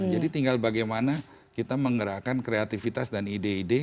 jadi tinggal bagaimana kita menggerakkan kreativitas dan ide ide